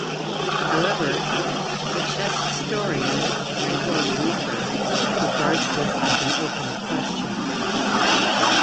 However, the chess historian Edward Winter regards this as an open question.